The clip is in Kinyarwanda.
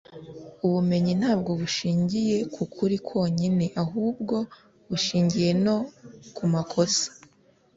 ubumenyi ntabwo bushingiye ku kuri kwonyine, ahubwo bushingiye no ku makosa